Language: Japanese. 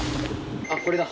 あっこれだ。